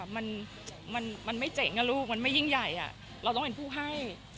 มันไม่เจ๋งลูกมันไม่ยิ่งใหญ่เราต้องเป็นผู้ให้